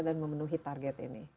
dan memenuhi target ini